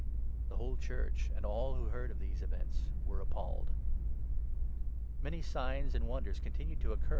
The whole n Church and all who heard of these events were appalled. Many signs and wonders continued to occur 12 Miracles done ,t i *«